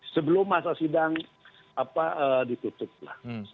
sebelum masa sidang ditutup lah